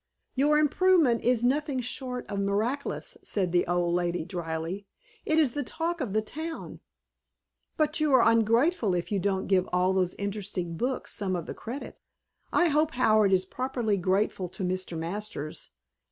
"Your improvement is nothing short of miraculous," said the old lady drily. "It is the talk of the town. But you are ungrateful if you don't give all those interesting books some of the credit. I hope Howard is properly grateful to Mr. Masters....